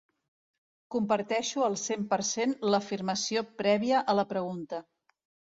Comparteixo al cent per cent l'afirmació prèvia a la pregunta.